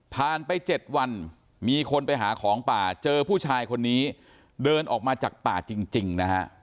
ไป๗วันมีคนไปหาของป่าเจอผู้ชายคนนี้เดินออกมาจากป่าจริงนะฮะ